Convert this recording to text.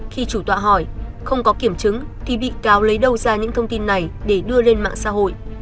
khi chủ tọa hỏi không có kiểm chứng thì bị cáo lấy đâu ra những thông tin này để đưa lên mạng xã hội